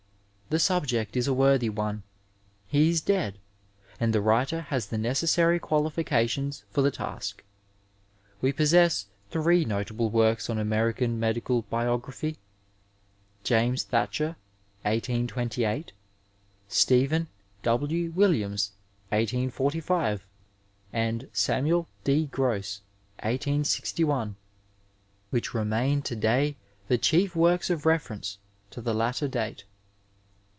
The subject is a worthy one, he is dead, and the writer has the necessary qualifications for the task. We possess three notable works on American medical biography : James Thacher, 1828 ; Stephen W. Williams, 1845, and Samuel D. Gross, 1861, which remain to day the chief works of reference to the latter date.